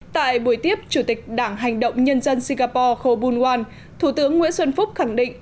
tại buổi tiếp chủ tịch đảng hành động nhân dân singapore khobunwan thủ tướng nguyễn xuân phúc khẳng định